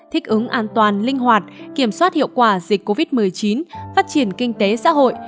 thích ứng an toàn linh hoạt kiểm soát hiệu quả dịch covid một mươi chín phát triển kinh tế xã hội